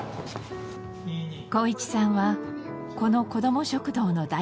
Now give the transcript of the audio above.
航一さんはこの子ども食堂の代表です。